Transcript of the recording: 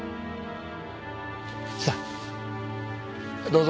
さあどうぞ。